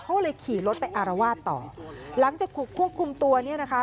เขาเลยขี่รถไปอารวาสต่อหลังจากถูกควบคุมตัวเนี่ยนะคะ